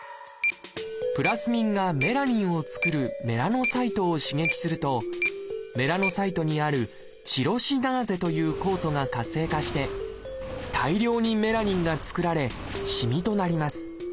プラスミンがメラニンを作るメラノサイトを刺激するとメラノサイトにある「チロシナーゼ」という酵素が活性化して大量にメラニンが作られしみとなります。